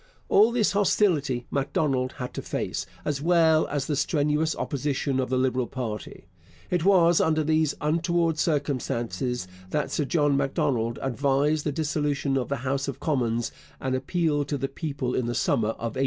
All this hostility Macdonald had to face, as well as the strenuous opposition of the Liberal party. It was under these untoward circumstances that Sir John Macdonald advised the dissolution of the House of Commons and appealed to the people in the summer of 1872.